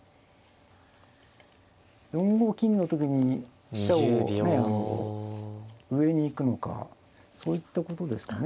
４五金の時に飛車をね上に行くのかそういったことですかね。